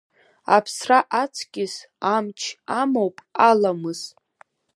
Аԥсра аҵкьыс амч амоуп Аламыс.